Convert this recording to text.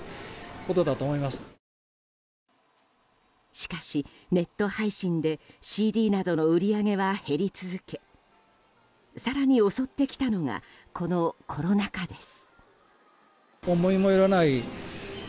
しかしネット配信でＣＤなどの売り上げは減り続け更に襲ってきたのがこのコロナ禍です。